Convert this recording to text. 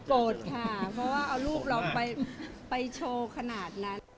โกรธค่ะเพราะว่าเอารูปเราไปโชว์ขนาดนั้น